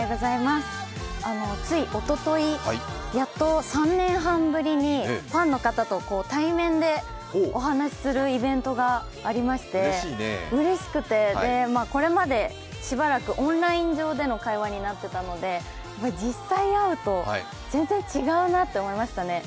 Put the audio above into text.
ついおととい、やっと３年半ぶりにファンの方と対面でお話しするイベントがありましてうれしくて、これまでしばらくオンライン上での会話になっていたので実際、会うと全然違うなと思いましたね。